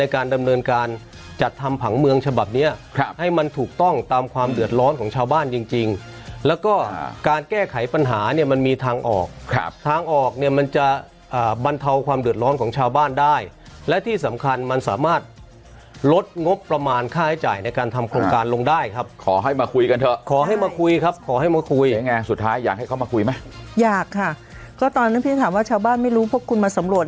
การแก้ไขปัญหาเนี้ยมันมีทางออกครับทางออกเนี้ยมันจะอ่าบรรเทาความเดือดร้อนของชาวบ้านได้และที่สำคัญมันสามารถลดงบประมาณค่าใช้จ่ายในการทำโครงการลงได้ครับขอให้มาคุยกันเถอะขอให้มาคุยครับขอให้มาคุยเนี้ยไงสุดท้ายอยากให้เขามาคุยไหมอยากค่ะก็ตอนนั้นพี่จะถามว่าชาวบ้านไม่รู้พวกคุณมาสำร